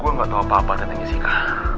gue gak tau apa apa datang jessica